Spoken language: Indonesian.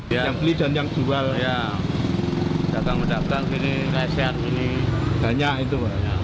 yang beli dan yang jual datang datang ini nasihat ini banyak itu